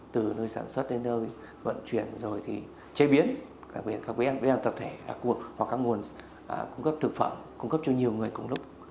từ nơi sản xuất đến nơi vận chuyển rồi thì chế biến các vấn đề tập thể hoặc các nguồn cung cấp thực phẩm cung cấp cho nhiều người cùng lúc